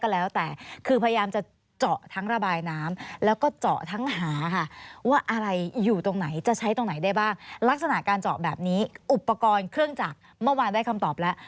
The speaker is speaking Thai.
แล้วเครื่องจักรเมื่อวานได้คำตอบแล้ว